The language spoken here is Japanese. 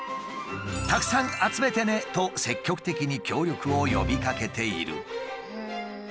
「たくさん集めてね！」と積極的に協力を呼びかけている。